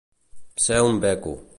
Ser un beco.